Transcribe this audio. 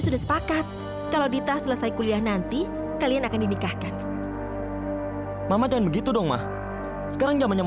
sampai jumpa di video selanjutnya